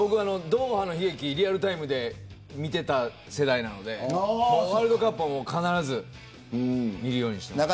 ドーハの悲劇をリアルタイムで見ていた世代なのでワールドカップは必ず見るようにしています。